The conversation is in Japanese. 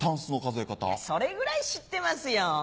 それぐらい知ってますよ。